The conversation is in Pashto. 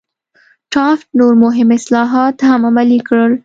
ټافت نور مهم اصلاحات هم عملي کړل.